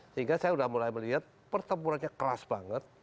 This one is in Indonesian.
sehingga saya sudah mulai melihat pertempurannya keras banget